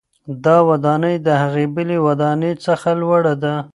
دا ودانۍ د هغې بلې ودانۍ څخه لوړه ده.